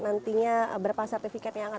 nantinya berapa sertifikat yang